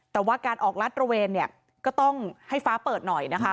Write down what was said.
แต่ว่าการออกรัดระเวนเนี่ยก็ต้องให้ฟ้าเปิดหน่อยนะคะ